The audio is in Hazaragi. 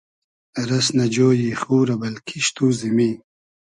رئس نۂ جۉیی خو رۂ بئل کیشت و زیمی